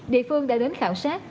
địa phương đã đến khảo sát